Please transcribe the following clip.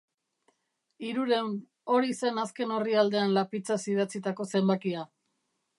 Hirurehun, hori zen azken orrialdean lapitzaz idatzitako zenbakia.